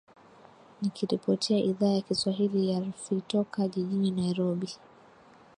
nikiripotia idhaa ya kiswahili ya rfi toka jijini nairobi